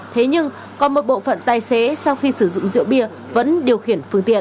thế nhưng còn một bộ phận tài xế sau khi sử dụng rượu bia vẫn điều khiển phương tiện